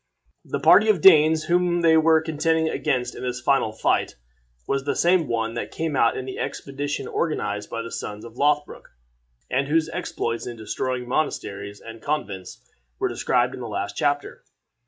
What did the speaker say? The party of Danes whom they were contending against in this fatal fight was the same one that came out in the expedition organized by the sons of Lothbroc, and whose exploits in destroying monasteries and convents were described in the last chapter.